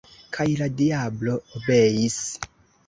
» kaj la diablo obeis.